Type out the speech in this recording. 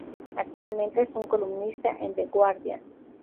Actualmente es un columnista en The Guardian.